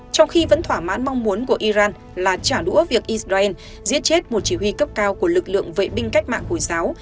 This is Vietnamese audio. trong khi vẫn thỏa mãn mong muốn của iran là trả đũa việc israel giết chết một chỉ huy cấp cao của lực lượng vệ binh cách mạng hồi giáo